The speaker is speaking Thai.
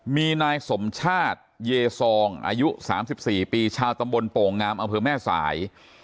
มีนายสมชาติเยซองอายุ๓๔ปีชาวตำบลโป่งงามอำเภอแม่สาย